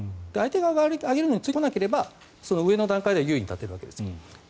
相手側が上げるのについてこなければその上の段階で優位に立てるわけです。